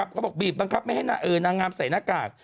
เขาบอกบีบบังคับไม่ให้นางงามใส่หน้ากาก